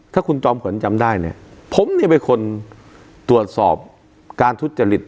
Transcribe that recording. ถ้าคุณจอมขวัญจำได้เนี่ยผมเนี่ยเป็นคนตรวจสอบการทุจริต